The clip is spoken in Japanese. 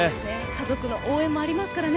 家族の応援もありますからね。